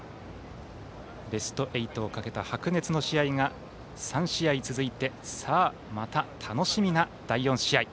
ベスト８をかけた白熱の試合が３試合続いてまた楽しみな第４試合。